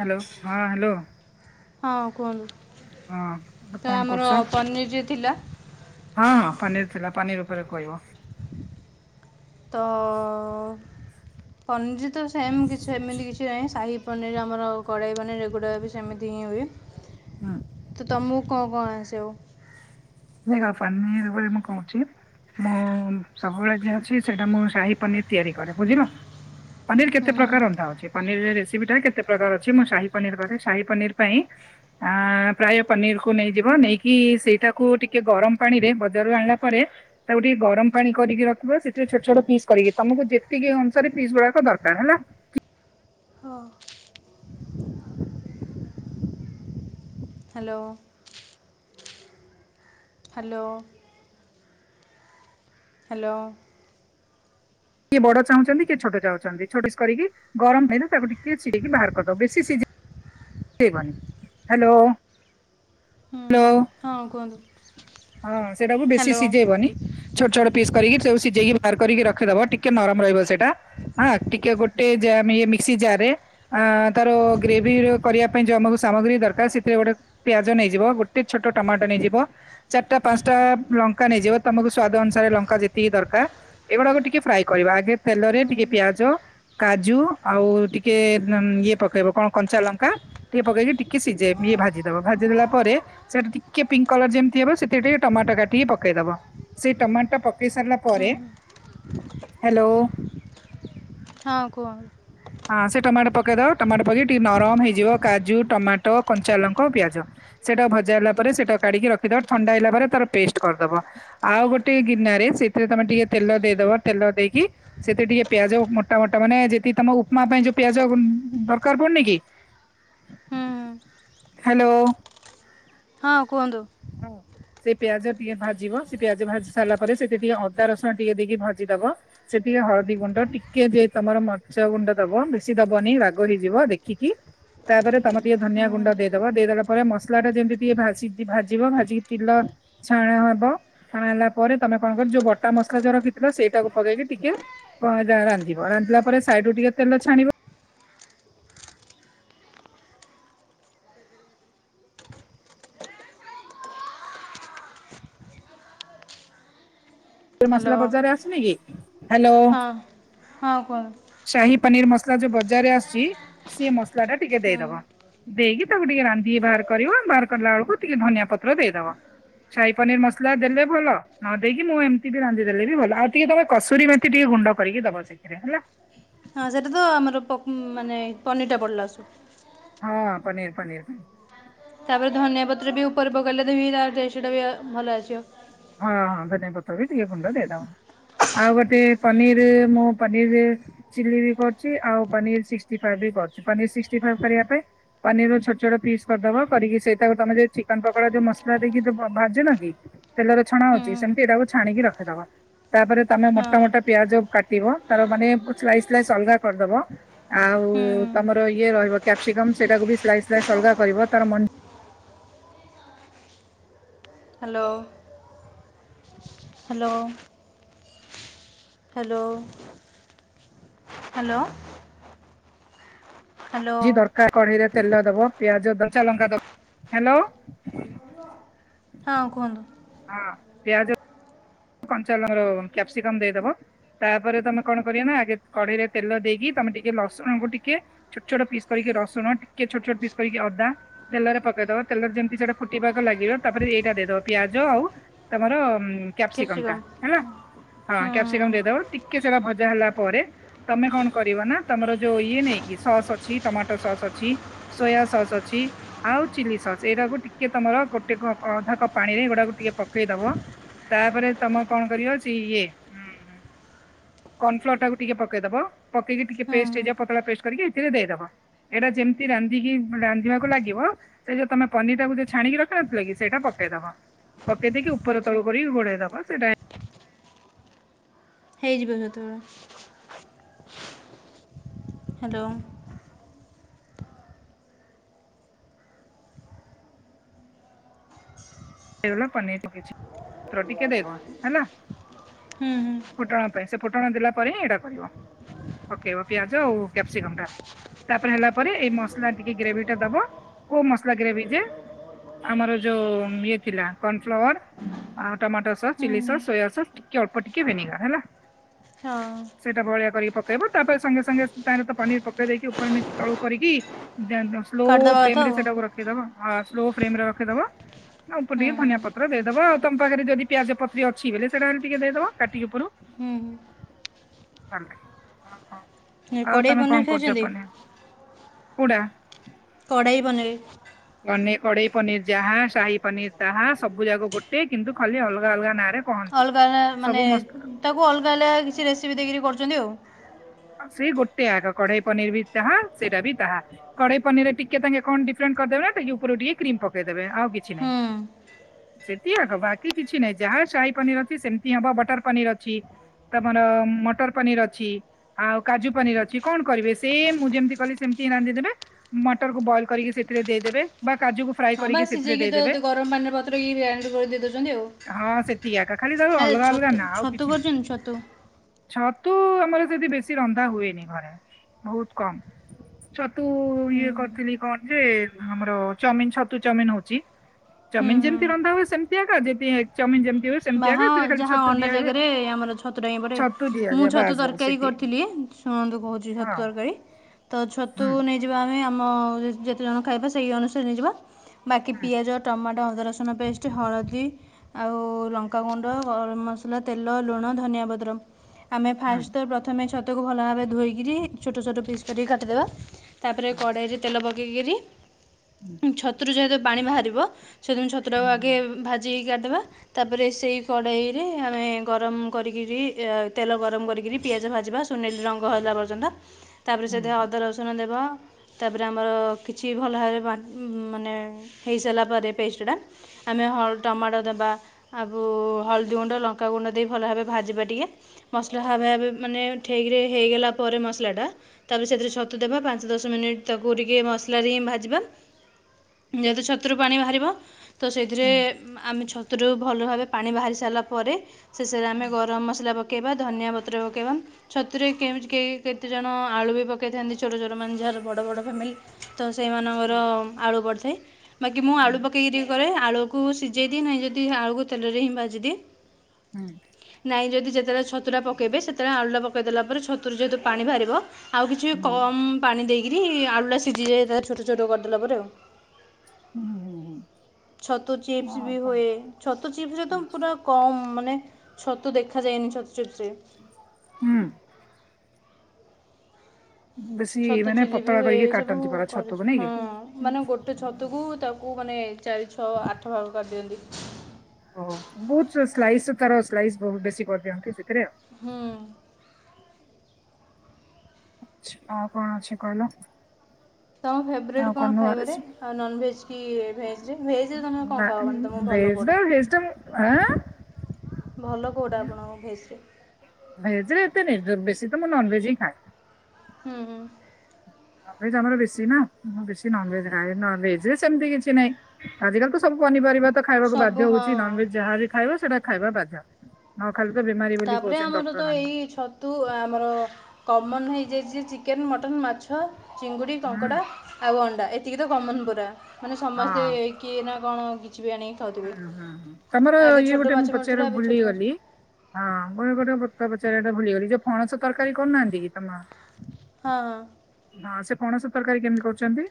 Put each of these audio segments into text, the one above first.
Hello ହଁ hello. ହଁ କୁହନ୍ତୁ ହଁ ତ କଣ ଆମର କରୁଛ? ପନିର ଯିଏ ଥିଲା। ହଁ ପନିର ଥିଲା ପନିର ଉପରେ କହିବ। ତଅ ପଞ୍ଜି ତ ସେମ କିଛି ସେମିତି କିଛି ନାହିଁ। ସାହି ପନିର ଆମର କଡେଇ ପନିର ଏଗୁଡା ବି ଯେମିତି ହିଁ ହୁଏ। ହୁଁ। ତୁ ତମକୁ କଣ-କଣ ଆସିବ? ନେ ଦେଖା ପନିର ଉପରେ ମୁଁ କଣ କହୁଚି। ମୁଁ ସବୁବେଳେ ଯଏ ଅଛି ସେଇଟା ମୁଁ ଶାହି ପନିର ତିଆରି କରେ ବୁଝିଲ। ପନିର କେତେ ପ୍ରକାର ରନ୍ଧା ହଉଛି। ପନିର ରେ ରେସିପିଟା କେତେ ପ୍ରକାର ଅଛି। ମୁଁ ସାହି ପନିର କରେ ସାହି ପନିର ପାଇଁ ଆଁ ପ୍ରାୟ ପନିର କୁ ନେଇଯିବ। ନେଇକି ସେଇଟାକୁ ଟିକ ଟିକେ ଗରମ ପାଣି ରେ ବଜାରୁ ଆଣିଲା ପରେ ତାକୁ ଟିକେ ଗରମ ପାଣି କରିକି ରଖିବ। ସେଥିରେ ଛୋଟ ଛୋଟ ପିସ୍ କରିକି। ତମକୁ ଯେତିକି ଅନୁସାରେ ପିସ୍ ଗୁଡାକ ଦରକାର ହେଲା। ହଁ। ହାଲୋ। ହାଲୋ। ହ୍ୟାଲୋ। କିଏ ବଡ ଚାହୁଁଛନ୍ତି କିଏ ଛୋଟ ଚାହୁଁଛନ୍ତି ଛୋଟିସ୍ କରିକି ଗରମ ହେନା ତାକୁ ଟିକେ ସିଡେଇି ବାହାର କରିଦବ ବେଶୀ ସିଝେଇ ବନି ହ୍ୟାଲୋ? ହୁଁ ହ୍ୟାଲୋ। ହଁ କୁହନ୍ତୁ। ହଁ ସେଟାକୁ ବେଶୀ ହ୍ୟାଲୋ ସିଝେଇବନି। ଛୋଟ ଛୋଟ ପିସ୍ କରିକି ସିଝେଇକି ବାହାର କରିକି ରଖିଦବ ଟିକେ ନରମ ରହିବ ସେଇଟା। ହଁ ଟିକେ ଗୋଟେେ ଜା ମି ମିକ୍ ଜାରରେ ଆ ତାର ଗ୍ରେଭି ର କରିବା ପାଇଁ ଯୋଉ ଆମକୁ ସାମଗ୍ରୀ ଦରକାର ସେଥିରେ ଗୋଟେ ପିଆଜ ନେଇଯିବ ଗୋଟେ ଛୋଟ ଟମାଟୋ ନେଇଯିବ ଚାରିଟା ପାଞ୍ଚଟା ଲଙ୍କା ନେଇଯିବ ତମକୁ ସ୍ଵାଦ ଅନୁସାରେ ଲଙ୍କା ଯେତିକି ଦରକାର ଏଗୁଡାକ ଟିକେ ଫ୍ରାଏ କରିବା ଆଗେ ତେଲରେ ହୁଁ ଟିକେ ପିଆଜ କାଜୁ ଆଉ ଟିକେ ଇଏ ପକେଇବ କଣ କଞ୍ଚା ଲଙ୍କା ଟିକେ ପକେଇକି ଟିକେ ସିଝେଇଏ ଭାଜି ଦବା ଭାଜି ଦେଲା ପରେ ସେଟା ଟିକେ ପିଙ୍କ କଲର ଯେମ ବ ସେଥିରେ ଟିକେ ଟମାଟୋ କାଟିକି ପକେଇଦବ ସେଇ ଟମାଟୋ ପକେଇ ସାରିଲା ପରେ ହୁଁ ହ୍ୟାଲୋ। ହଁ କୁହ। ହଁ ସେ ଟମାଟୋ ପକେଇଦବ ଟମାଟୋ ପକେଇକି ଟିକେ ନରମ ହେଇଯିବ କାଜୁ ଟମାଟୋ କଞ୍ଚା ଲଙ୍କ ପିଆଜ ସେଇଟା ଭଜା ହେଲା ପରେ ସେଇଟା କାଢିକି ରଖିଦବା ଥଣ୍ଡା ହେଇଲା ପରେ ତାର ପେଷ୍ଟ କରିଦବା। ଆଉ ଗୋଟେ ଗିନାରେ ସେଥିରେ ତମେ ଟିକେ ତେଲ ଦେଇଦବ ତେଲ ଦେଇକି ସେତେ ଟିକେ ପିଆଜ ମୋଟା ମୋଟା ମାନେ ଯେଦି ତମକୁ ମା ପାଇଁ ଯୋଉ ପିଆଜ ଦରକାର ପଡୁନି କି ହୁଁ ହାଲ ହଁ କୁହନ୍ତୁ। ହଁ। ସେ ପିଆଜ ଟିକେ ଭାଜିବ ସେ ପିଆଜ ଭାଜି ସାରିଲା ପରେ ସେଠି ଟିକେ ଅଦା ରସୁଣ ଟିକେ ଦେଇକି ଭାଜି ଦବ ସେତିରେ ହଳଦୀ ଗୁଣ୍ଡ ଟିକେ ଯେ ତମର ମର୍ଚ ଗୁଣ୍ଡ ଦବ ବେଶୀ ଦବନି ରାଗ ହେଇଯିବ ଦେଖିକି। ତାପରେ ତମର ଟିକେ ଧନିଆ ହୁଁ ଗୁଣ୍ଡ ଦେଇଦବ ଦେଇଦେଲା ପରେ ମସଲା ଟା ଯେମିତି ଟିକେ ଭାସିଛି ଭା ଜିବ ଭାଜିକି ତିିଲ ଛାଣା ହବ ଛାଣା ହେଲା ପରେ ତମେ କଣ କର ଯୋଉ ବଟା ମସଲା ଯୋଉ ରଖିଥିଲ ସେଇଟା କୁ ପକେଇକି ଟିକେ କ ଯା ରାନ୍ଧିବ ରାନ୍ଧିଲା ପରେ ସାଇଡୁରୁ ଟିକେ ତେଲ ଛାଣିବ ସେ ମସଲା ହ୍ୟାଲୋ ବଜାରରେ ଆସୁନ କି ହ୍ୟାଲୋ ହଁ ହଁ କୁହନ୍ତୁ ସାହି ପନିର ମସଲା ଯୋଉ ବଜାରରେ ଆସିୁଛି ସିଏ ମସଲା ଟା ଟିକେ ହୁଁ ଦେଇଦବା। ଦେଇକି ତାକୁ ଟିକେ ରାନ୍ଧିକି ବାହାର କରିବ ବାହାର କଲା ବେଳକୁ ଟିକେ ଧନିଆ ପତ୍ର ଦେଇଦବ। ସାହି ପନିର ମସଲା ଦେଲେ ଭଲ ନ ଦେଇେଇକି ମୁଁ ଏ ମିତି ବି ରାନ୍ଧି ଦେଲେ ବି ଭଲ ଆଉ ଟିକେ ତମେ କସୁରୀ ମେଥିତି ଟିକେ ଗୁଣ୍ଡ କରିକି ଦବ ସେଥିରେ ହେଲା। ହଁ ସେଟା ତ ଆମର ପ ମାନେ ପନିର ଟା ପଡିଲା ଆସୁ ହଁ ପନିର୍ ପନିର୍ ତାପରେ ଧନିଆ ପତ୍ର ବି ଉପର ପକାଇଲେ ଦେବି ତା ସେଟା ବି ଆ ଭଲ ଆସିବ। ହଁ ହଁ ଧନିଆ ପତ୍ର ବିି ଟିକେ ଗୁଣ୍ଡ ଦେଇଦବ। ଆଉ ଗୋଟେ ପନିର ମୁଁ ପନିର ଚିଲ୍ଲି ବି କରୁଛି ଆଉ ପନିର ସିକ୍ଟି ଫାଇଭ କରିବା ପାଇଁ ପନିର ଛୋଟ ଛୋଟ ପିସ୍ କରିଦବ କରିକି ସେଇଟାକୁ ତମ ଯଉ ଚିକେନ ପକୋଡ ଯୋଉ ମସଲା ଦେଇକି ଯୋ କ ଭାଜୁନ କି ତେଲରେ ଛଣା ହୁଁ ହଉଛି ସେମତି ଏଇଟାକୁ ଛାଣିକି ରଖିଦବ। ତାପରେ ତମେ ହଁ ମୋଟା ମୋଟା ପିଆଜ କାଟିବ ତାର ମାନେ ପ ସ୍ଲାଇସ୍ଲାଇସ୍ ଅଲଗା କରିଦବ। ଆଉ ହୁଁ ତମର ଇଏ ରହିବ କ୍ୟାପ୍ସିକମ ସେଇଟାକୁ ବି ସ୍ଲାଇ ସ୍ଲାଇସ୍ ଅଲଗା କରିବ ତାର ମ hello. Hello. Hello hello. Hello ଜି ଦରକାର କଢିରେ ତେଲ ଦବ ପିଆଜ କଞ୍ଚା ଲଙ୍କା ଦବ ହ୍ୟାଲୋ। ହଁ କୁହନ୍ତୁ। ହଁ ପିଆଜ କଞ୍ଚା ଲଙ୍କର କ୍ୟାପ୍ସିକମ ଦେଇଦବ ତାପରେ ତମେ କଣ କରିବ ନା ଆଗେ କଢେଇରେ ତେଲ ଦେଇକି ତମେ ଟିକେ ଲସୁଣକୁ ଟିକେ ଛୋଟ ଛୋଟ ପିସ୍ କରିକି ରସୁଣ ଟିକେ ଛୋଟ ଛୋଟ ପିସ୍ କରିକି ଅଦା ତେଲରେ ପକେଇଦବ ତେଲରେ ଯେମିତି ସେଟା ଫୁଟିବାକୁ ଲାଗିବ ତାପରେ ଏଇଟା ଦେଇଦବ ପିଆଜ ଆଉ ତମର କ୍ୟାପସିକମ ଟା କେଶରୀଗମ୍। ହେଲା ହଁ ହୁଁ କ୍ୟାପସିକମ ଦେଇଦବ ଟି ଟିକେ ସେରା ଭଜା ହେଲା ପରେ ତମେ କଣ କରିବ ନା ତମର ଯୋଉ ଇଏ ନାଇଁକି ସସ୍ ଅଛି ଟମାଟୋ ସସ୍ ଅଛି ସୋୟା ସସ୍ ଅଛି ଆଉ ଚିଲି ସସ୍ ଏଇଟାକୁ ଟିକେ ତମର ଗୋଟେ କପ ଅଧା କପ୍ ପାଣିରେ ଏ ଗୁଡାକୁ ଟିକେ ପକେଇ ଦବ। ତାପରେ ତମେ କଣ କରିବ ଛି ଇଏ ହୁଁ। କନଫ୍ଲୋର ଟାକୁ ଟିକେ ପକେଇଦବ ପକେଇକି ଟିକେ ହୁଁ ପେଷ୍ଟ ହେଇଯିବ ପତଳା ପେଷ୍ଟ କରିକି ହେଥିରେ ଦେଇଦବା। ଏଟା ଯେମିତି ରାନ୍ଧିକି ରାନ୍ଧିବାକୁ ଲାଗିବ ସେ ଯୋଉ ତମେ ପନିର ଟାକୁ ଯଉ ଛାଣିକି ରଖିନ ଥିଲ କି ସେଇଟା ପକେଇଦବ। ପକେଇ ଦେଇକି ଉପର ଆଚ୍ଛା ତଳୁ କରି ଘୋଡେଇ ଦବା ସେଇଟା ହେଇଯିବ ଯେତେବେଳେ। ହେଲୋ। [unintelligible] ପନିର ପକେଇଛି କ୍ଷୀର ଟିକେ ଦେବ ହେଲା। ହୁଁ ହୁଁ। ଫୁଟଣ ପାଇଁ ସେ ଫୁଟଣ ଦେଲା ପରେ ହିଁ ଏଇଟା କରିବ ପକେଇବ ପିଆଜ ଆଉ କ୍ୟାପସିକମ ଟା। ତାପରେ ହେଲା ପରେ ଏଇ ମସଲା ଟିକେ ଗ୍ରେଭି ଟା ଦବ କୋଉ ମସଲା ଗ୍ରେଭି ଯେ ଆମର ଯୋଉ ଇଏ ଥିଲା କନଫ୍ଲାୱେର। ଆଉ ଟମାଟୋ ସସ୍ ହୁଁ ଚିଲି ସସ୍ ସୋୟା ସସ୍ ଟିକେ ଅଳ୍ପ ଟିକେ ଭେନିଗାର ହେଲା। ହଁ। ସେଇଟା ଭଳିଆ କରିକି ପକେଇବ ତାପରେ ସଙ୍ଗେ ସଙ୍ଗେ ତାର ତ ପନିର ପକେଇ ଦେଇକି ଉପର ତଳୁ କରିକି ଦେନ ଦଶ ସ୍ଲୋ କରିଦେବା କଥା ଫ୍ରେମ ଆଉ ସେଟାକୁ ରଖିଦବା ଅ ସ୍ଲୋ ଫ୍ରେମ ରେ ରଖିଦବ। ଆ ଅଳ୍ପ ହୁଁ ଟିକେ ହୁଁ। ଧନିଆ ପତ୍ର ଦେଇଦବ ତମ ପାଖେରେ ଯଦି ପିଆଜ ପତ୍ରି ଅଛି ବଲେ ସେଟା ଟିକେ ଦେଇଦବ କାଟିକି ଉପରୁ। ହୁଁ ହୁଁ। ଭ ହୁଁ ଆଉ କଡ଼େଇ ତମେ ପନିର କଣ କରୁଛ ଖାଇଛନ୍ତି ପନିଆ। କୁଡ଼ା କଢ଼େଇ ବନେଇବି ମାନେ କଡେଇ ପନିର ଯାହା ସାହି ପନିର ତାହା ସବୁ ଯାକ ଗୋଟେ କିନ୍ତୁ ଖାଲି ଅଲଗା ଅଲଗା ନାଁ ରେ ଅଲଗା ଅଲଗା ମାନେ ତାକୁ ଅଲଗା ଅଲଗା କିଛି ରେସିପି ଦେଇକିରି କରୁଛନ୍ତି ଆଉ। ସେଇ ଗୋଟେ ଆଗ କଢେଇ ପନିର ବି ତାହା ସେଇଟା ବି ତାହା। କଡେଇ ପନିରରେ ଟିକେ ତାଙ୍କେ କଣ ଡିଫରେଣ୍ଟ କରିଦେବେ ସେ ଯଉ ଉପରୁ ଟିକେ କ୍ରିମ ପକେଇ ଦେବେ ଆଉ କିଛି ନାଇଁ। ହୁଁ। ସେତି ଆଗ ବାକି କିଛି ନାହିଁ ଯାହା ଶାହି ପନିର ଅଛି ସେମିତି ହବ ବଟର ପନିର ଅଛି। ତମର ମଟର ପନିର ଅଛି। ଆଉ କାଜୁ ପନିର ଅଛି କଣ କରିବେ ସେମ ମୁଁ ଯେମିତି କଲି ସେମିତି ରାନ୍ଧିଦେବେ। ମଟରକୁୁ ବଏଲ୍ କରିକି ସେଥିରେ ଦେଇଦେବେ ବା କାଜୁକୁ ଫ୍ରାଏ ହଁ ବା କରିକି ସେଥିରେ ସିଝେଇକି ତ ଦେଇଦେବେ। ଗରମ ପାଣି ରେ ବତୁରେଇ କି ଦେଇ ଦେଉଛନ୍ତି ଆଉ [unintelligible] ଖାଲି [unintelligible] ଆରେ ଅଲଗା ଅଲଗା ଛତୁ ନା ଆଉ ଛତୁ କିଛି ନାହିଁ କରୁଛନ୍ତି ଛତୁ ଛତୁ ଆମର ଯଦି ବେଶୀ କି ରନ୍ଧା ହୁଏନି ଘରେ ବହୁତ କମ୍। ଛତୁ ହୁଁ ଇଏ କରିଥିଲି କଣ ଯେ ଆମର ଚାଉମିନ ଛତୁ ଚଉମିନ ହଉଛି। ହୁଁ ଚଉମିନ ହୁଁ। ଯେମିତି ରନ୍ଧା ହୁଁଏ ସେମତିଆକା [unintelligible] ଚାଉମିନ ଯେମିତି ହୁଏ ସେମିତି ମାହା ଆକା ଏଥିରେ ଖାଲି ଯାହା ଛତୁ ଅଣ୍ଡା ଦିଆ ହୁଏ ଜାଗାରେ ଆମର ଛତୁ ଟା ହିଁ ପଡେ ଛତୁ ମୁଁ ଦିଆଯାଏ ଛତୁ ବାସ୍ ବାସ୍ ତରକାରୀ ସେତିକି କରିଥିଲି। ଶୁଣନ୍ତୁ କହୁଛି ଛତୁ ହଁ ତରକାରୀ ତ ଛତୁ ହୁଁ ନେଇଯିବା ଆମେ ଆମ ଯେତ ତେ ଜଣ ଖାଇବା ସେଇ ଅନୁସାରେ ନେଇଯିବା ବାକି ହୁଁ ପିଆଜ ଟମାଟୋ ଅଦା ରସୁଣ ପେଷ୍ଟ ହଳଦୀ ଆଉ ଲ ଲଙ୍କା ଗୁଣ୍ଡ, ଗରମ ମସଲା, ତେଲ, ଲୁଣ, ଧନିଆ ପତ୍ର ଆମେ ହୁଁ ଫାଷ୍ଟ ତ ପ୍ରଥମେ ଛ ତୁ କୁ ଭଲ ଭାବେ ଧୋଇକିରି ଛୋଟ ଛୋଟ ପିସ୍ କରିକି କାଟିଦେବା। ତାପରେ କଡେଇରେ ତେଲ ପକେଇ କିରି ହୁଁ। ଛତୁ ରୁ ଯେହେତୁ ପାଣି ବାହାରିବ ସେଥି ପାଇଁ ହୁଁ ଛତୁଟାକୁ ହୁଁ ଆଗେ ଭାଜିକି କାଢି ଦେବା ତା ତାପରେ ସେଇ କଡ଼େଇରେ ଆମେ ଗରମ କରିକିରି ତେଲ ଗରମ କରିକିରି ପିଆଜ ଭାଜିବା। ସୁନେଲି ରଙ୍ଗ ହେଲା ପର୍ଯ୍ୟନ୍ତ। ତାପରେ ହୁଁ ସେଥିରେ ହୁଁ ଅଦା ରସୁଣ ଦେବ। ତାପରେ ଆମର କିଛି ଭଲ ଭାବରେ ବା ମାନେ ହେଇସାରିଲା ପରେ ପେଷ୍ଟଟା। ଆମେ ହ ଟମାଟୋ ଦବା। ଆବୁ ହଳଦୀ ଗୁଣ୍ଡ ଲଙ୍କାଗୁଣ୍ଡ ଦେଇ ଭଲ ଭାବେ ଭାଜିବା ଟିକେ। ମସଲା ହାବେ ବେ ମାନେ ଠିକ ରେ ହେଇଗଲା ପରେ ମସଲାଟା। ତାପରେ ସେଥିରେ ଛତୁ ଦେବା, ପାଞ୍ଚ ଦଶ ମିନିଟ ତାକୁ ଟିକେ ମସଲା ଦେଇଁକି ଭାଜିବା। ଯେହେତୁ ଛତୁରୁ ପାଣି ବାହାରିବ ତ ସେଇଥିରେ ହୁଁ ହୁଁ ଆମେ ଛତୁରୁ ଭଲ ଭାବେ ପାଣି ବାହାରି ସାରିଲା ପରେ ଶେଷରେ ଆମେ ଗରମ ମସଲା ପକେଇବା ଧନିଆ ପତ୍ର ପକେଇବା। ଛତୁରେ କେଉଜ କେଇ କେତେଜଣ ଆଳୁ ବି ପକେଇଥାନ୍ତି, ଛୋଟ ଛୋଟ ମାନେ ଯାହାର ବଡ଼ ବଡ଼ ଫ୍ୟାମିଲି। ତ ସେଇମାନଙ୍କର ହୁଁ ଆଳୁ ପଡ଼ିଥାଏ, ବାକି ମୁଁ ଆଳୁ ପକାମେଇକି ଟିକେ କରେ। ଆଳୁ କୁ ସିଝେଇ ଦିଏ ନାହିଁ ଯଦି ଆଳୁକୁ ତେଲରେ ହିଁ ଭାଜିଦିଏ। [unintelligible] ନାଇଁ ଯଦି ଯେତେବେଳେ ଛତୁ ଟା ପକେଇବେ, ସେତେବେଳେ ଆଳୁଟା ପକୈଇ ଦେଲା ପରେ, ଛତୁରୁ ଯେହେତୁ ପାଣି ବାହାରିବ ଆଉ କିଛି କମ୍ ପାଣି ଦେଇକିରି ଆଳୁଟା ସିଜିଯାଏ, ତାର ଛୋଟ ଛୋଟ କରିଦେଲା ପରେ ଆଉ। ହୁଁ ହୁଁ ଛତୁ ଚିପ୍ସ ଆଉ ବି କଣ ହୁଏ, ଛତୁ ଚିପ୍ସରେ ତ ପୁରା କମ ମାନେ ଛତୁ ଦେଖାଯାଏନି, ଛତୁ ଚିପ୍ସ ରେ। ହୁଁ। ବେଶୀ ଛତୁ ମାନେ ଚିଲି ବି ପତଳା ହୁଏ, କରିକି ଏ ସବୁ କାଟନ୍ତି ପରା କରିଛି, ଛତୁକୁ ନାଇଁ ହଁ କି ମାନେ ଗୋଟେ ଛତ ତୁକୁ ତାକୁ ମାନେ ଚାରି, ଛଅ, ଆଠ ଭାଗ କରିଦିଅନ୍ତି। ଓହୋ, ବହୁତ ସ୍ଲାଇସ୍ ତାର ସ୍ଲାଇସ୍ ବହୁତ ବେଶୀ କରିଦିଅନ୍ତି ସେଥିରେ ଆଉ। ହୁଁ। ଆଚ୍ଛା ଆଉ କଣ ଅଛି କହିଲ? ତୋମ ଫେବରାଇଟ୍ ଆଉ କଣ ନୂଆ ଖାଇବାରେ? ରେସିପି ଆଉ ନନଭେଜ୍ କି ଭେଜ୍ ରେ, ଭେଜ୍ ରେ ତୁମେ କଣ ନା ଖାଅ ମାନେ ତୋମ ଭେଜ୍ ବା ଭେଜ୍ ଟା ମୁଁ ଆଁ ଭଲ କୋଉଟା ଆପଣଙ୍କ ଭେଜ୍ ରେ? ଭେଜ୍ ରେ ଏତେ ନାଇ ଜ-ବେଶୀ ତ ମୁଁ ନନଭେଜ୍ ହିଁ ଖାଏ। ହୁଁ, ହୁଁ। ନନଭେଜ୍ ଆମର ବେଶୀ ନା ମୁଁ ବେଶି ନନଭେଜ୍ ଖାଏ, ନନଭେଜ୍ ରେ ସେମତି କିଛି ନାଇ। ଆଜିକାଲି ତ ସବୁ ପନିପରିବା ତ ଖାଇବାକୁ ସବୁ ବାଧ୍ୟ ହଉଛି, ହଁ ନନଭେଜ୍ ଯାହା ବିି ଖାଇବ ସେଇଟା ଖାଇବା ବାଧ୍ୟ। ନ ଖାଇଲେ ତ ବେମାରୀ ବୋଲି କହୁଛନ୍ତି ଡକ୍ଟର୍ ମାନେ। ତୁ ଆମର କମନ୍ ହେଇଯାଇଛି ଚିକେନ୍, ମଟନ୍, ମାଛ। ଚିଙ୍ଗୁଡ଼ି, ହୁଁ କଙ୍କଡ଼ା ଆଉ ଅଣ୍ଡା ଏତିକି ତ କମନ୍ ପୁରା, ମାନେ ସମସ୍ତେ ହଁ। କିଏ ନା କଣ କିଛିିବି ଆଣିକି। ଖାଉଥିବେ ହୁଁ, ହୁଁ ହଁ ତୋମର ଆଗେ ଇଏ ଛୋଟ ଗୋଟେ ମାଛ ମୁଁ ମିଳୁଥିଲା ପଚାରିବାକୁ ଏବେ ଛୋଟ ମାଛ ଭୁଲିଗଲି। ହଁ ଗୋଟେ ଗୋଟେ କଥା ପଚାରିବା ଟା ଭୁଲିଗଲି, ଯେ ଫଣସ ତରକାରୀ କରୁନାହାନ୍ତି କି ତୋମ ହଁ, ହଁ। ହଁ ସେ ପଣସ ତରକାରୀ କେମିତି କରୁଛନ୍ତି?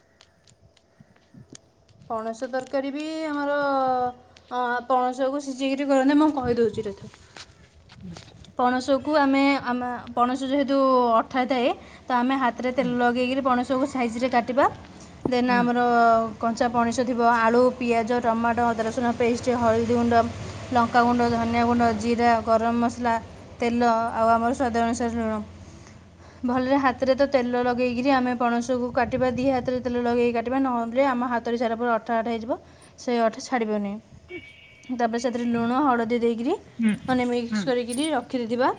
ପଣସ ତରକାରୀ ବି ଆମର ଅଁ, ପଣସକୁୁ ସିଜେଇକିରି କରନ୍ତି, ମୁଁ କହିଦଉଚି ରହିଥ। ପଣସକୁ ଆମେ ଆମ ପଣସ ଯେହେତୁ ଅଠା ଥାଏ ତ ଆମେ ହାତରେ ହୁଁ ତେଲ ଲଗେଇକିରି ପଣସକୁୁ ସାଇଜ୍ ରେ କାଟିବା। ଦେନ୍ ହୁଁ ଆମର କଞ୍ଚା ପଣିସ ଥିବ ଆଳୁ, ପିଆଜ, ଟମାଟୋ, ଅଦା, ରସୁଣ ପେଷ୍ ସେ ହଳଦୀ ଗୁଣ୍ଡ, ଲଙ୍କାଗୁଣ୍ଡ, ଧନିଆ ଗୁଣ୍ଡ, ଜିରା, ଗରମ ମସଲା ତେଲ ଆଉ ଆମର ସ୍ଵାଦ ଅନୁସାରେ ଲୁଣ। ଭଲରେ ହାତରେ ତ ତେଲ ଲଗେଇକିରି ଆମେ ପଣସକୁ କାଟିବା। ଦିଇ ହାତରେ ତେଲ ଲଗେଇକି କାଟିବା ନହେଲେ ଆମ ହାତରେ ସେଟା ପୁରା ଅଠା ଆଠ ହେଇଯିବ। ସେ ଅଠା ଛାଡ଼ିବନି। ତାପରେ ସେଥିରେ ଲୁଣ ହଳଦୀ ଦେଇକିରି ହୁଁ। ମାନେ ହୁଁ ମିକ୍ସ କରିକିରି ରଖିଦେଇଥିବା,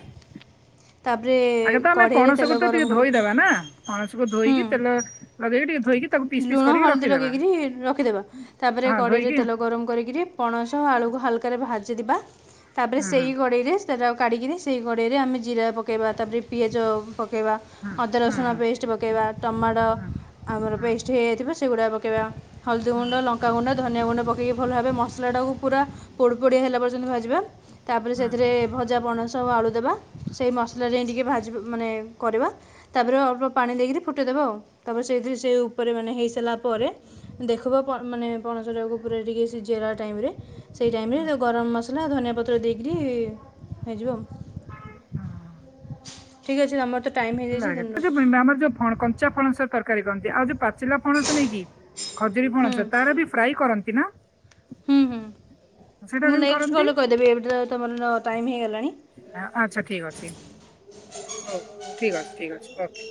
ତାପରେ ଆଗେ ତ ଆମେ କଢ଼େଇରେ ପଣସକୁ ତେଲ ତ ଟିକେ ଗରମ କରିକିରି ଧୋଇଦବା ନା ପଣସକୁ ଧୋଇକି ତେଲ ଲଗେଇକି ଟିକେ ଧୋଇକି ଉଁ, ତାକୁ ପିସ୍ ପିସ୍ ଲୁଣ କରିକି ହଳଦୀ ରଖିଦେବା ଲଗେଇକିରି ରଖିଦେବା। ତାପରେ ହଁ କଡ଼େଇରେ ଧୋଇକି ତେଲ ଗରମ କରିକିରି ପଣସ ଆଳୁକୁ ହାଲକାରେ ଭାଜିଦିବା ତାପରେ ହୁଁ ହୁଁ ସେଇ କଡେଇରେ ସେଟାକୁ କାଢିକିରି ସେ କଡେଇରେ ଆମେ ଜିରା ପକେଇବା ତାପରେ ପିଆଜ ପ କେଇବା ହୁଁ ଅଦା ହୁଁ ହୁଁ ରସୁଣ ପେଷ୍ଟ ପକେଇବା ଟମାଟ ହୁଁ ହୁଁ ପେଷ୍ଟ ହେଇଯିବ ସେଗୁଡା ପକେଇବା ହଳଦୀ ହୁଁ ହୁଁ ଗୁଣ୍ଡ ଲ ଙ୍କା ଗୁଣ୍ଡ ଧନିଆ ଗୁଣ୍ଡ ପକେଇକି ଭଲ ଭାବେ ମସଲାଟାକୁ ପୁରା ପୋଡ ପୋଡିଆ ହେଲା ପର୍ଯ୍ୟନ୍ତ ଭାଜିବା। ତାପରେ ହୁଁ ସେଥିରେ ଭଜା ପଣସ ତାପରେ ଆଳୁ ଦେବା ସେଇ ମସଲାରେ ଟିକେ ଭାଜ ମାନେ କରିବା ତାପରେ ଅଳ୍ପ ପାଣି ଦେଇକିରି ଫୁଟେଇଦବା ଆଉ ତାପରେ ସେଇଥିରେ ସେ ଉପରେ ମାନେ ହେଇସାରିଲା ପରେ ଦେଖିବ ପ ମାନେ ପଣସଟାକୁ ପୁରା ଟିକେ ସିଝେଇଲା ଟାଇମରେ ସେଇ ହୁଁ ଟାଇମରେ ଗରମ ମସଲା ଧନିଆ ପତ୍ର ଦେଇକିରି ହେଇଯିବ ଆଉ। ଠିକ୍ ଅଛି ତମର ତ ଟାଇମ୍ ହେଇଯାଇଛି [unintelligible] ତେଣୁ ପାଚିଲା ରଖୁଛି ପଣସ ତରକାରୀ କରନ୍ତି ଆଉ ଯୋଉ ପାଚିଲା ପଣସ ନାଇକି ଖଜୁରୀ ହୁଁ ପଣସ ତାର ବି ଫ୍ରାଇ କରନ୍ତି ନା? ହୁଁ ହୁଁ ସେଇଟା ମୁଁ କେମିତି ନେକ୍ଟ କରନ୍ତି କଲରେ କହିଦେବି ଏବେ ତ ତମର ଟାଇମ ହେଇଗଲାଣି। ଆ ଆଚ୍ଛା ଠିକ୍ ଅଛି। ହୋଉ ହୋଉ ଠି୍କ ଅଛି ଠିକ୍ ଅଛି ଓକେ।